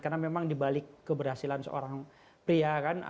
karena memang di balik keberhasilan seorang pria kan